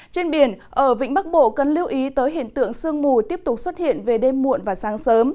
trên biển ở vĩnh bắc bộ cần lưu ý tới hiện tượng sương mù tiếp tục xuất hiện về đêm muộn và sáng sớm